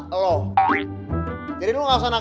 yusuf belum bisa balik